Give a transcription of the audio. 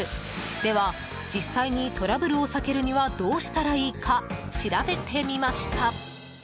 では、実際にトラブルを避けるにはどうしたらいいか調べてみました。